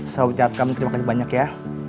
saya ucapkan terima kasih banyak ya